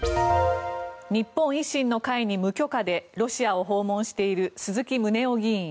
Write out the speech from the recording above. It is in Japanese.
日本維新の会に無許可でロシアを訪問している鈴木宗男議員。